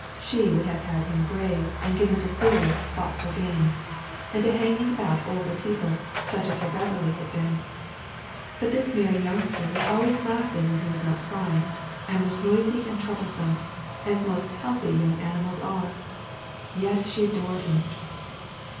She would have had him grave and given to serious, thoughtful games, and to hanging about older people, such as her Beverley had been; but this merry youngster was always laughing when he was not crying, and was noisy and troublesome, as most healthy young animals are. Yet she adored him.